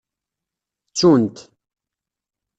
Ttun-t.